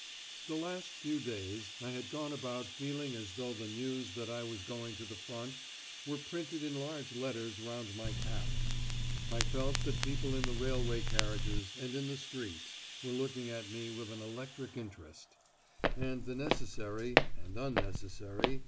The last few days I had gone about feeling as though the news that I was going to the front were printed in large letters round my cap. I felt that people in the railway carriages, and in the streets, were looking at me with an electric interest; and the necessary (and unnecessary!)